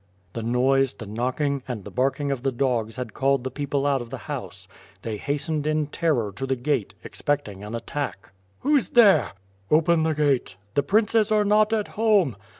The noise, the knocking, and the barking of the dogs had called the people out of the house. They hastened, in terror, to the gate, expecting an attack. "Who*s there?*' "Open the gate! "The princes are not at home.